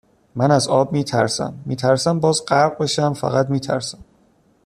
من از آب میترسم میترسم باز غرق بشم فقط میترسم